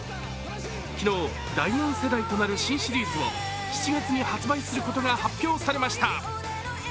昨日、第４世代となる新シリーズを７月に発売することが発表されました。